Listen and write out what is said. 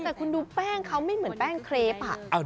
แต่คุณดูแป้งเขาไม่เหมือนแป้งเครป